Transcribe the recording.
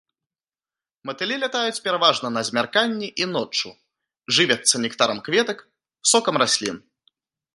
Матылі лятаюць пераважна на змярканні і ноччу, жывяцца нектарам кветак, сокам раслін.